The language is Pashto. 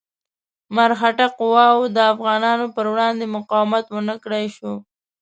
مرهټه قواوو د افغانانو په وړاندې مقاومت ونه کړای شو.